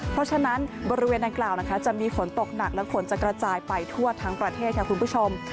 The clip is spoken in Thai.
เพราะฉะนั้นบริเวณดังกล่าวนะคะจะมีฝนตกหนักและฝนจะกระจายไปทั่วทั้งประเทศค่ะคุณผู้ชม